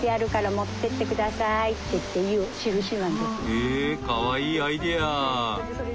へえかわいいアイデア。